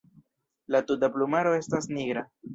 La tuta plumaro estas nigra.